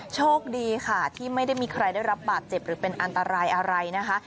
โชคดีค่ะที่ไม่ได้มีใครได้รับบาดเจ็บหรือเป็นอันตรายอะไรนะคะ